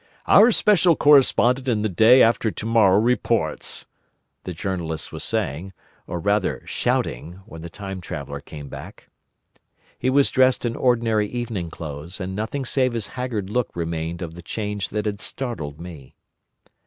"Our Special Correspondent in the Day after Tomorrow reports," the Journalist was saying—or rather shouting—when the Time Traveller came back. He was dressed in ordinary evening clothes, and nothing save his haggard look remained of the change that had startled me.